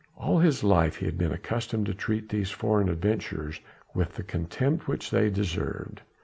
All his life he had been accustomed to treat these foreign adventurers with the contempt which they deserved.